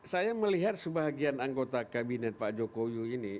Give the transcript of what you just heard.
saya melihat sebagian anggota kabinet pak jokowi ini